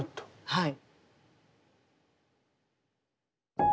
はい。